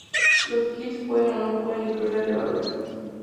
Los kits pueden o no pueden incluir levadura.